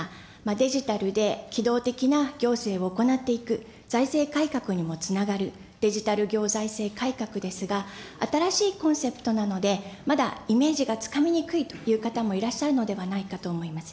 デジタルで機動的な行政を行っていく、財政改革にもつながる、デジタル行財政改革ですが、新しいコンセプトなので、まだイメージがつかみにくいという方もいらっしゃるのではないかと思います。